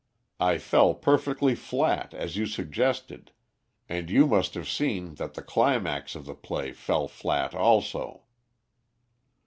I fell perfectly flat, as you suggested, and you must have seen that the climax of the play fell flat also."